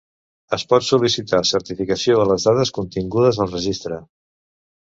Es pot sol·licitar certificació de les dades contingudes al registre.